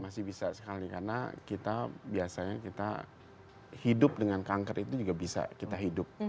masih bisa sekali karena kita biasanya kita hidup dengan kanker itu juga bisa kita hidup